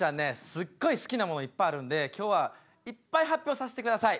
すっごい好きなものいっぱいあるんで今日はいっぱい発表させてください。